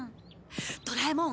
ドラえもん